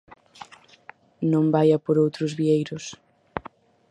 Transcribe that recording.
Non vaia por outros vieiros.